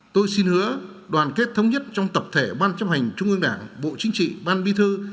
tôi xin hứa đoàn kết thống nhất trong tập thể ban chấp hành trung ương đảng bộ chính trị ban bí thư